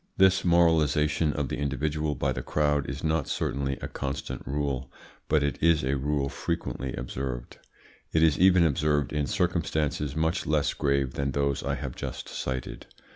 This moralisation of the individual by the crowd is not certainly a constant rule, but it is a rule frequently observed. It is even observed in circumstances much less grave than those I have just cited.